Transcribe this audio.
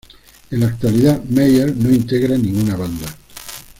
En la actualidad, Meyer no integra ninguna banda.